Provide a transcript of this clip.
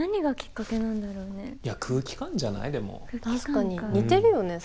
確かに似てるよね